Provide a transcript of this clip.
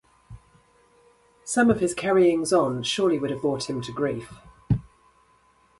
Some of his carryings-on surely would have brought him to grief.